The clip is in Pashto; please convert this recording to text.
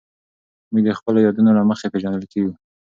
موږ د خپلو یادونو له مخې پېژندل کېږو.